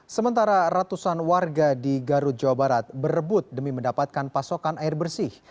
sementara ratusan warga di garut jawa barat berebut demi mendapatkan pasokan air bersih